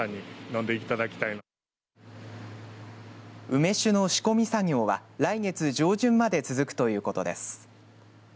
梅酒の仕込み作業は来月上旬まで続くということです。